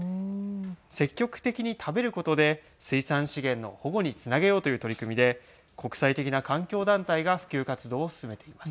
積極的に食べることで水産資源の保護につなげようという取り組みで国際的な環境団体が普及活動を進めています。